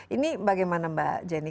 ini bagaimana mbak jenny